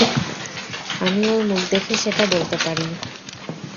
আমি ওর মুখ দেখে সেটা বলতে পারি।